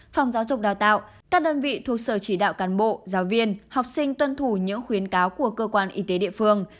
phòng giáo dục đào tạo các đơn vị thuộc sở chỉ đạo cán bộ giáo viên học sinh tuân thủ những khuyến cáo của cơ quan y tế địa phương